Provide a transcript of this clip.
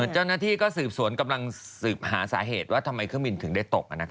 เจ้าหน้าที่ก็สืบสวนกำลังสืบหาสาเหตุว่าทำไมเครื่องบินถึงได้ตก